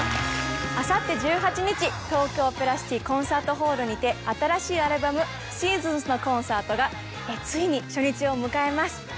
明後日１８日東京オペラシティコンサートホールにて新しいアルバム『Ｓｅａｓｏｎｓ』のコンサートがついに初日を迎えます。